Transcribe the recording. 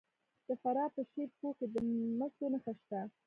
د فراه په شیب کوه کې د مسو نښې شته.